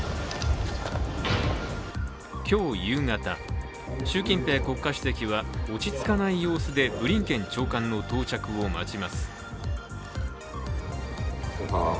今日夕方、習近平国家主席は落ち着かない様子でブリンケン長官の到着を待ちます。